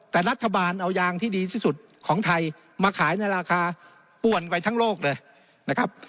แต่รัฐบาลเอายางที่ดีที่สุดของไทยมาขายในราคาป่วนไปทั้งโลกเลยนะครับ